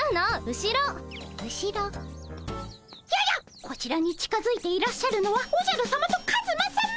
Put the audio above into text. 後ろ？ややっこちらに近づいていらっしゃるのはおじゃるさまとカズマさま！